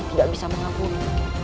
tidak bisa mengampuni